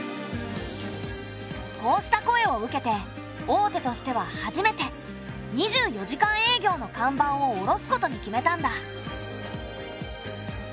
こうした声を受けて大手としては初めて２４時間営業の看板を下ろすことに決めたんだ。